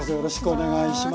お願いします。